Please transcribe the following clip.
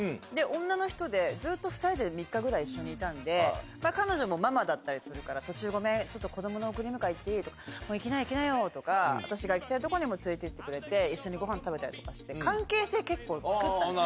女の人で、ずっと２人で３日ぐらい一緒にいたんで、彼女もママだったりするから、途中、ごめん、ちょっと子どもの送り迎え行っていいって、行きなよ、行きなよとか、私が行きたい所にも連れていってくれて、一緒にごはん食べたりとかして、関係性、結構作ったんです。